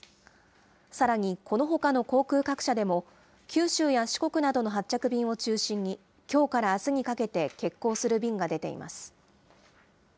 さらにこのほかの航空各社でも、九州や四国などの発着便を中心に、きょうからあすにかけて欠航する便が出ています。